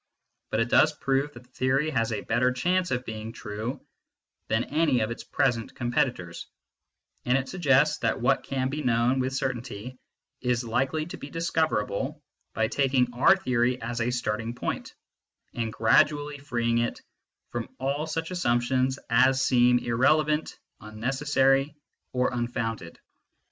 But it does prove that the theory has a better chance of being true than any of its present competitors, and it suggests that what can be known with certainty is likely to be discoverable by taking our theory as a starting point, and gradually freeing it from all such assumptions as seem irrelevant, unnecessary, or unfounded.